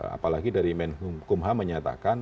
apalagi dari menkumha menyatakan